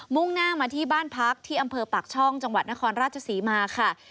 ่งหน้ามาที่บ้านพักที่อำเภอปากช่องจังหวัดนครราชศรีมาค่ะ